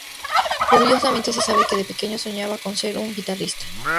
Curiosamente se sabe que de pequeño soñaba con ser un guitarrista.